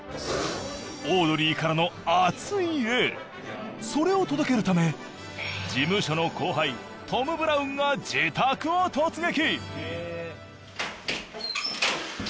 オードリーからの熱いエールそれを届けるため事務所の後輩が自宅を突撃！